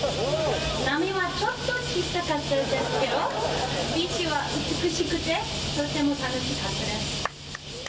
波はちょっと小さかったですけど、ビーチは美しくて、とっても楽しかったです。